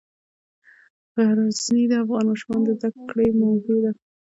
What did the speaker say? غزني د افغان ماشومانو د زده کړې موضوع ده.